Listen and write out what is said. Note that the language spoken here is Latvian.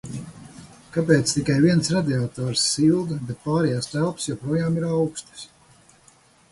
Kāpēc tikai viens radiators silda, bet pārējās telpas joprojām ir aukstas?